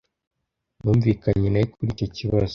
Numvikanye na we kuri icyo kibazo.